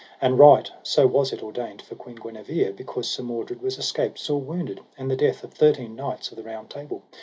And right so was it ordained for Queen Guenever, because Sir Mordred was escaped sore wounded, and the death of thirteen knights of the Round Table.